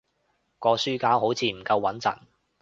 個書架好似唔夠穏陣